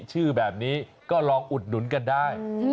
ชื่อแบบนี้ก็ลองอุดหนุนกันได้